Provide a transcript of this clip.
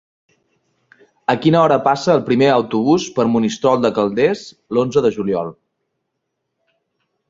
A quina hora passa el primer autobús per Monistrol de Calders l'onze de juliol?